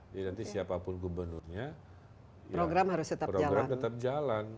jadi nanti siapapun gubernurnya program tetap jalan